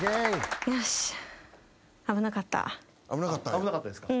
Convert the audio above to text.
危なかったですか？